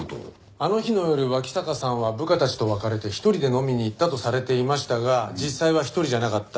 あの日の夜脇坂さんは部下たちと別れて１人で飲みに行ったとされていましたが実際は１人じゃなかった。